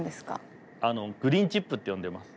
グリーンチップって呼んでます。